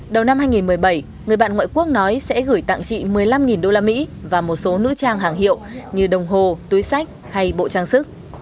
đầu năm hai nghìn một mươi bảy người bạn ngoại quốc nói sẽ gửi tặng chị một mươi năm usd và một số nữ trang hàng hiệu như đồng hồ túi sách hay bộ trang sức